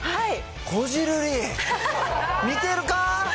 こじるり、見てるか？